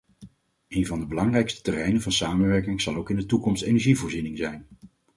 Een van de belangrijkste terreinen van samenwerking zal ook in de toekomst energievoorziening zijn.